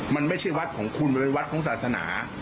มันไม่ใช่วัดของคุณมันเป็นวัดของศาสนา